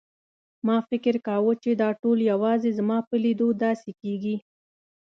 ما فکر کاوه چې دا ټول یوازې زما په لیدو داسې کېږي.